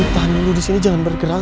tahan lu disini jangan bergerak